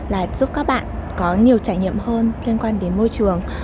là giúp các bạn có nhiều trải nghiệm hơn liên quan đến môi trường